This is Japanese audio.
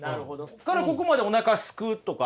ここからここまでおなかすくとか。